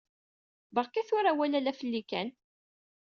Berka tura awal ala fell-i kan.